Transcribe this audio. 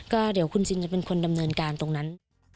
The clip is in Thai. ก็เดี๋ยวคุณซินจะเป็นคนดำเนินการตรงนั้น